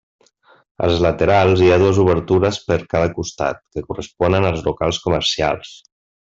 Als laterals hi ha dues obertures per cada costat, que corresponen als locals comercials.